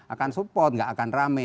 akan support gak akan rame